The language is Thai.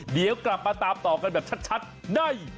เดี๋ยวกลับมาตามต่อกันแบบชัดได้